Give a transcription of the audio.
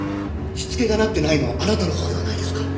しつけがなってないのはあなたのほうではないですか？